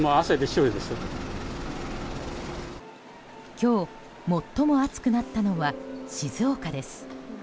今日最も暑くなったのは静岡です。